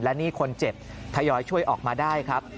และนี่คนเจ็บทยอยช่วยออกมาได้ครับ